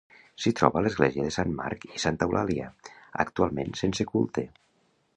S'hi troba l'església de Sant Marc i Santa Eulàlia, actualment sense culte.